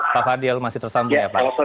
pak fadil masih tersambung ya pak